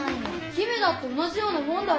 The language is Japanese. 姫だって同じようなもんだろ。